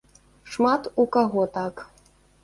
Шмат у каго так.